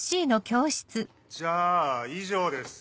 じゃあ以上です